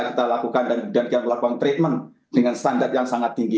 kita lakukan dan kita melakukan treatment dengan standar yang sangat tinggi